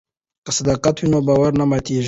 که صداقت وي نو باور نه ماتیږي.